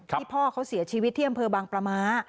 พ่อเขาเสียชีวิตที่อำเภอบางประม้า